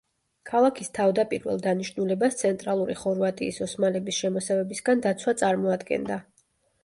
ქალაქის თავდაპირველ დანიშნულებას ცენტრალური ხორვატიის ოსმალების შემოსევებისაგან დაცვა წარმოადგენდა.